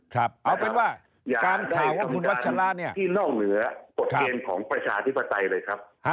อย่าได้ต้องการที่นอกเหนือบทเกณฑ์ของประชาธิปไตยเลยครับ